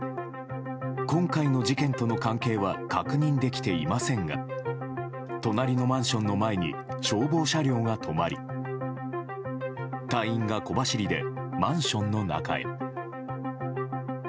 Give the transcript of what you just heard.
今回の事件との関連は確認できていませんが隣のマンションの前に消防車両が止まり隊員が小走りでマンションの中へ。